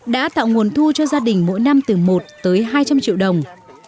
đã tạo nguồn thu cho gia đình mỗi năm từ một tới hai trăm linh triệu đồng